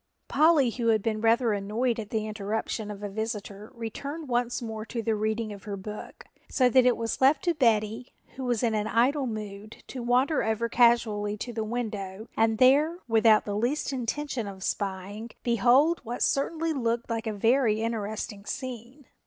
Polly, who had been rather annoyed at the interruption of a visitor, returned once more to the reading of her book, so that it was left to Betty, who was in an idle mood, to wander over casually to the window and there, without the least intention of spying, behold what certainly looked like a very interesting scene.